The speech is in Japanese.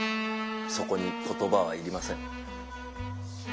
そこに言葉は要りません。